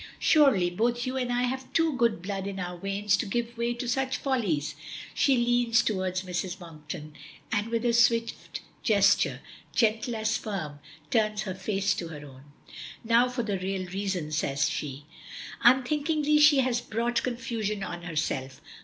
Surely both you and I have too good blood in our veins to give way to such follies." She leans towards Mrs. Monkton, and with a swift gesture, gentle as firm, turns her face to her own. "Now for the real reason," says she. Unthinkingly she has brought confusion on herself.